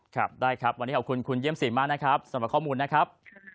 ครับได้ครับวันนี้ขอบคุณคุณเยี่ยมสีมากนะครับสำหรับข้อมูลนะครับ